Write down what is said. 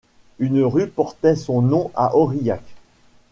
Une rue portait son nom à Aurillac.